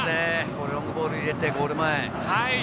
ロングボールを入れて、ゴール前。